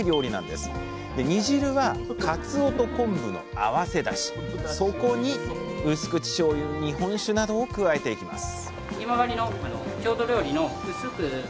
で煮汁はかつおと昆布の合わせだしそこにうす口しょうゆ日本酒などを加えていきます